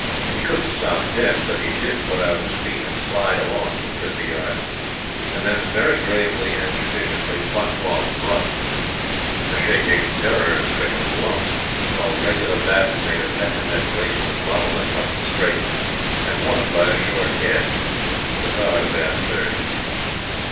He couldn't stop dead; but he put out his feet and slid along for fifty yards, and then, very gravely and judicially, bucked off Brunt a shaking, terror stricken lump, while Regula Baddun made a neck and neck race with Bobolink up the straight, and won by a short head Petard a bad third.